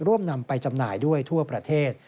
นำไปจำหน่ายด้วยทั่วประเทศ